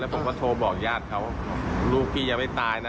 ผมก็โทรบอกญาติเขาลูกพี่ยังไม่ตายนะ